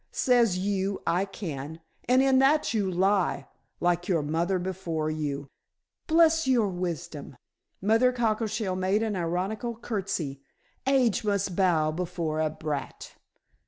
Says you, 'I can!' And in that you lie, like your mother before you. Bless your wisdom" Mother Cockleshell made an ironical curtsey. "Age must bow before a brat."